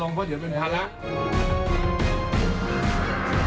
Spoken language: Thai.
ลงกลางเดือดสักแอวไหม